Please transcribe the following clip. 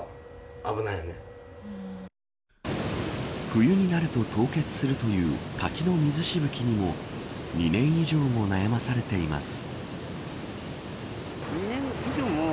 冬になると凍結するという滝の水しぶきにも２年以上も悩まされています。